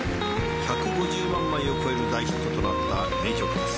１５０万枚を超える大ヒットとなった名曲です。